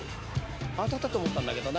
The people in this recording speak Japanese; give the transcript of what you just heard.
当たったと思ったんだけどな］